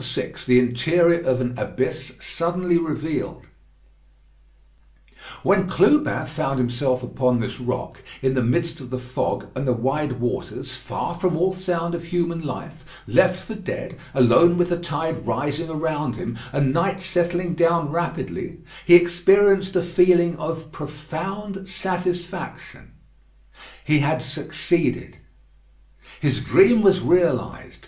VI THE INTERIOR OF AN ABYSS SUDDENLY REVEALED When Clubin found himself upon this rock, in the midst of the fog and the wide waters, far from all sound of human life, left for dead, alone with the tide rising around him, and night settling down rapidly, he experienced a feeling of profound satisfaction. He had succeeded. His dream was realised.